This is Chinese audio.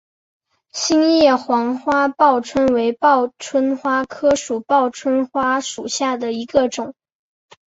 心叶黄花报春为报春花科报春花属下的一个种。